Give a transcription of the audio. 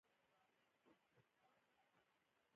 دا ځای هم د پخوا غوندې نه دی.